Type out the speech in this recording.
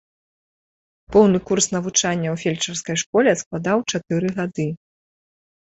Поўны курс навучання ў фельчарскай школе складаў чатыры гады.